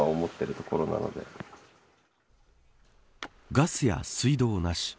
ガスや水道なし。